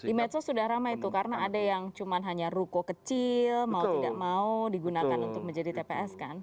di medsos sudah ramai itu karena ada yang cuma hanya ruko kecil mau tidak mau digunakan untuk menjadi tps kan